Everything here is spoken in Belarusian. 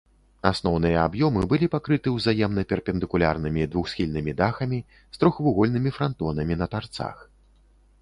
Асноўныя аб'ёмы былі пакрыты ўзаемна перпендыкулярнымі двухсхільнымі дахамі з трохвугольнымі франтонамі на тарцах.